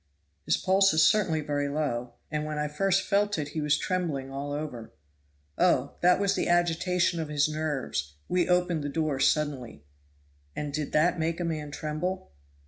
"His pulse is certainly very low, and when I first felt it he was trembling all over." "Oh, that was the agitation of his nerves we opened the door suddenly." "And did that make a man tremble?"